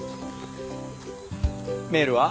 メールは？